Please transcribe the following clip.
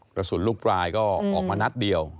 กระสุนลูกปลายก็ออกมานัดเดียว